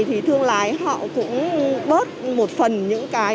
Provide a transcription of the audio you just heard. thì thương lái họ cũng bớt một phần những cái